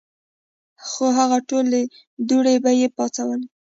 خو هغه ټولې دوړې به ئې پاڅولې ـ